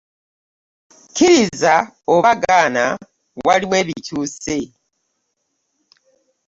Kkiriza oba gaana waliwo ebikyuse.